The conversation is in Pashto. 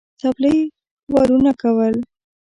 څپلۍ وارونه کول.